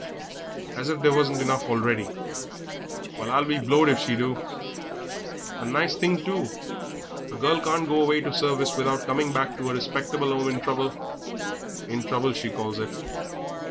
As if there wasn't enough already! Well, I be blowed if she do! A nice thing, too; a girl can't go away to service without coming back to her respectable 'ome in trouble in trouble, she calls it.